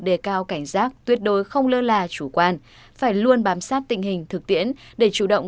đề cao cảnh giác tuyệt đối không lơ là chủ quan phải luôn bám sát tình hình thực tiễn để chủ động